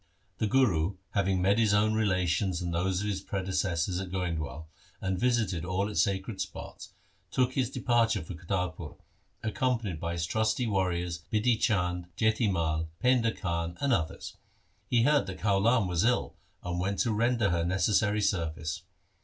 The Guru having met his own relations and those of his predecessors at Goindwal, and visited all its sacred spots, took his departure for Kartarpur, accompanied by his trusty warriors Bidhi Chand, Jati Mai, Painda Khan, and others. He heard that Kaulan was ill, and went to render her necessary service.